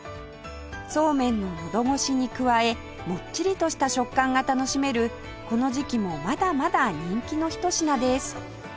そうめんの喉越しに加えもっちりとした食感が楽しめるこの時期もまだまだ人気のひと品です